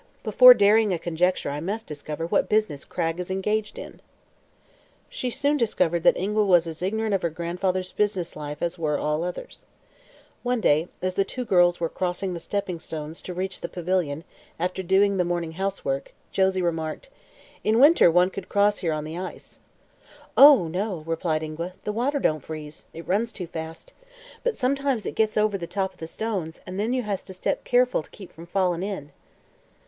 Before daring a conjecture I must discover what business Cragg is engaged in." She soon discovered that Ingua was as ignorant of her grandfather's business life as were all others. One day, as the two girls were crossing the stepping stones to reach the pavilion, after "doing" the morning housework, Josie remarked: "In winter one could cross here on the ice." "Oh, no," replied Ingua, "the water don't freeze. It runs too fast. But sometimes it gits over the top o' the stones, an' then you has to step keerful to keep from fallin' in."